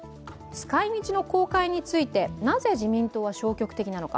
使い道の公開についてなぜ自民党は消極的なのか。